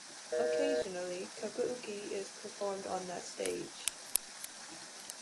Occasionally, Kabuki is performed on that stage.